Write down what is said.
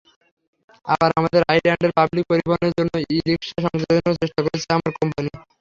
আবার আমাদের আইল্যান্ডের পাবলিক পরিবহনের জন্য ই-রিক্সা সংযোজনেরও চেষ্টা করছে আমাদের কোম্পানি।